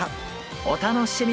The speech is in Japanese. お楽しみに！